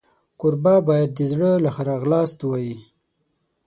کوربه باید له زړه ښه راغلاست ووایي.